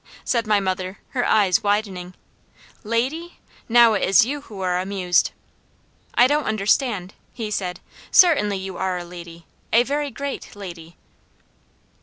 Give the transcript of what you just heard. said my mother, her eyes widening. "'Lady'? Now it is you who are amused." "I don't understand!" he said. "Certainly you are a lady, a very great lady."